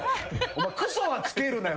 お前「クソ」は付けるなよ。